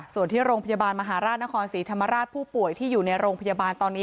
ส่วนที่โรงพยาบาลมหาราชนครศรีธรรมราชผู้ป่วยที่อยู่ในโรงพยาบาลตอนนี้